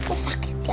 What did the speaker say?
oh sakit ya